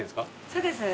そうです。